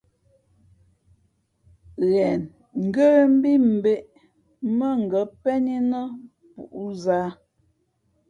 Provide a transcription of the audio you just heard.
Ghen ngə́ mbí mbᾱʼ ē mά ngα̌ pén í nά pūʼ zǎ.